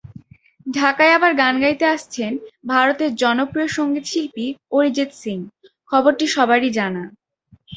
ঢাকায় আবার গান গাইতে আসছেন ভারতের জনপ্রিয় সংগীতশিল্পী অরিজিৎ সিং—খবরটি সবারই জানা।